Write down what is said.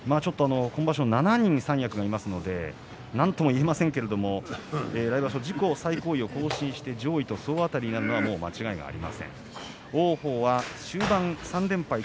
今場所、７人三役がいますのでなんとも言えませんが来場所、自己最高位を更新して上位に総当たりとなることは間違いありません。